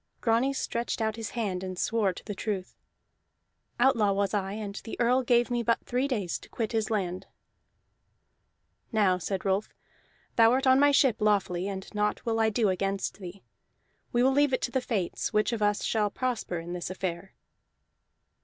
Grani stretched out his hand and swore to the truth. "Outlaw was I, and the Earl gave me but three days to quit his land." "Now," said Rolf, "thou art on my ship lawfully, and naught will I do against thee. We will leave it to the fates, which of us shall prosper in this affair."